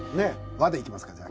「和」でいきますかじゃあ。